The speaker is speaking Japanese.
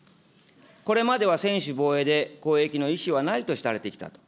これまでは専守防衛で攻撃の意思はないとされてきた。